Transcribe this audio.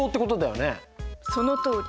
そのとおり。